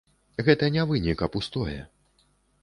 Гэта не вынік, а пустое.